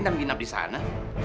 dan minum disana